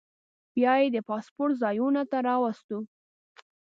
بیا یې د پاسپورټ ځایونو ته راوستو.